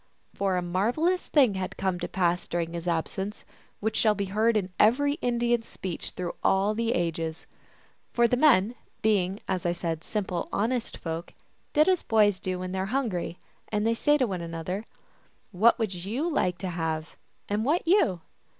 For a marvelous thing had come to pass during his absence, which shall be heard in every Indian s speech through all the ages. For the men, being, as I said, simple, honest folk, did as boys do when they are hungry, and say unto one another, " What would you like to have, and what you